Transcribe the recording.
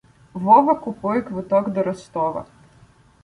Вова купує квиток до Ростова.